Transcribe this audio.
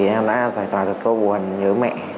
em đã giải thoát được câu buồn nhớ mẹ